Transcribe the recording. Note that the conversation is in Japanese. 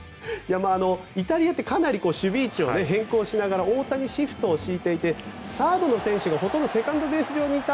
イタリアってかなり守備位置を変更しながら大谷シフトを敷いていてサードの選手がほとんどセカンドベース上にいた。